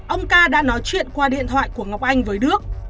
ông ca đã nói chuyện qua điện thoại của ngọc anh với đức